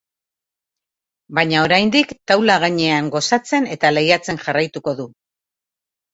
Baina oraindik taula gainean gozatzen eta lehiatzen jarraituko du.